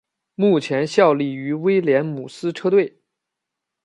目前效力于威廉姆斯车队。